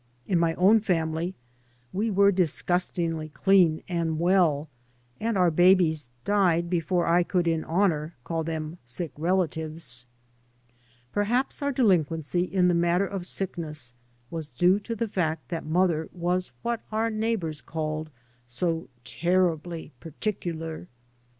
In my own family we were disgust ingly clean and well and our babies died be fore I could in honour call them sick " tela 3 by Google M 7 MOTHER AND I tivcs." Perhaps our delinquency in the mat ter of sickness was due to the fact that mother was what our neighbours called so " terrubly pertikler."